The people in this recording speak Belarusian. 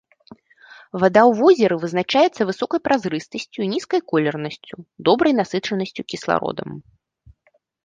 Вада ў возеры вызначаецца высокай празрыстасцю і нізкай колернасцю, добрай насычанасцю кіслародам.